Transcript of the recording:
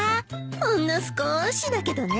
ほんの少しだけどね。